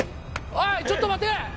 おいちょっと待て！